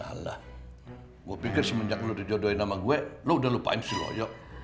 alah gue pikir semenjak lo terjodohin sama gue lo udah lupain si loyot